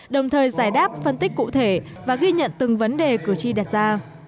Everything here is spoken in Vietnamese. đồng thời giải đáp phân tích cụ thể và ghi nhận từng vấn đề cử tri đặt ra